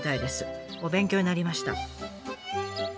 お勉強になりました。